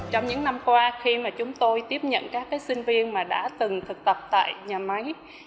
trong những năm qua khi mà chúng tôi tiếp nhận các sinh viên mà đã từng thực tập tại nhà máy